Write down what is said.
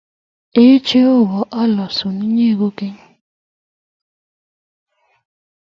Ee Jehova alosun inye koigeny